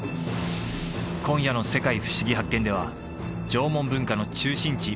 今夜の「世界ふしぎ発見！」では縄文文化の中心地